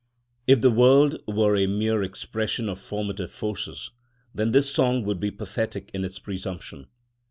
If the world were a mere expression of formative forces, then this song would be pathetic in its presumption.